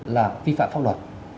là vi phạm pháp luật